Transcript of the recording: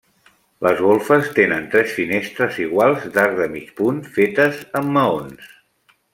Les golfes tenen tres finestres iguals d'arc de mig punt, fetes amb maons.